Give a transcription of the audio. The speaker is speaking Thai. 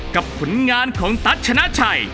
ผลงานของตั๊ชนะชัย